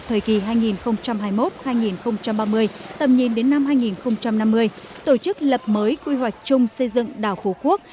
thời kỳ hai nghìn hai mươi một hai nghìn ba mươi tầm nhìn đến năm hai nghìn năm mươi tổ chức lập mới quy hoạch chung xây dựng đảo phú quốc